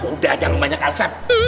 udah jangan banyak alasan